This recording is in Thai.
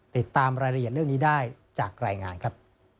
ติดตามรายละเอียดเรื่องนี้ได้จากรายงานครับ